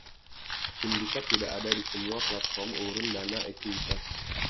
Sindikat tidak ada di semua platform urun dana ekuitas.